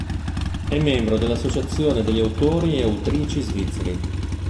È membro dell'associazione degli autori e autrici svizzeri.